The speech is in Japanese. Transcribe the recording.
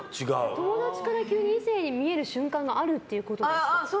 友達から急に異性に見える瞬間があるってことですか？